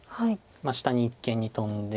下に一間にトンで。